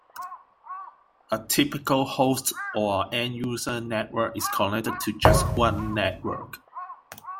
A typical host or end-user network is connected to just one network.